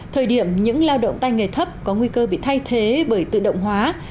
thời điểm những lao động tay nghề thấp có nguy cơ bị thay thế bởi tự động hóa